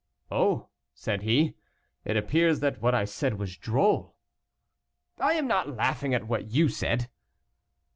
"Oh!" said he, "it appears that what I said was droll." "I am not laughing at what you said."